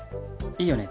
いいよね？